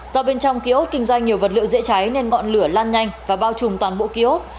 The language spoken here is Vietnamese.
do bên trong ký ốt kinh doanh nhiều vật liệu dễ cháy nên ngọn lửa lan nhanh và bao trùm toàn bộ ký ốt